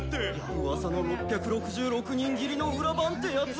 うわさの６６６人斬りの裏番ってやつ？